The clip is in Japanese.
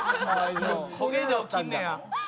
焦げで起きんねや。